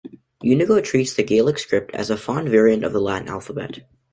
Unicode treats the Gaelic script as a font variant of the Latin alphabet.